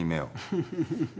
フフフフ。